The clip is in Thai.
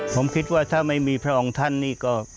ผมคิดว่าถ้าไม่มีพระองค์ท่านนี่ก็